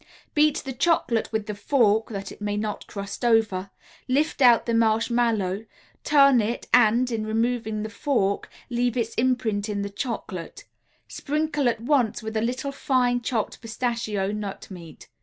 Beat the chocolate with the fork, that it may not crust over, lift out the marshmallow, turn it and, in removing the fork, leave its imprint in the chocolate; sprinkle at once with a little fine chopped pistachio nut meat.